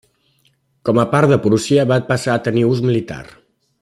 Com a part de Prússia, va passar a tenir ús militar.